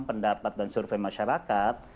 pendapat dan survei masyarakat